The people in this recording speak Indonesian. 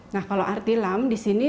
nah kalau rt lam disini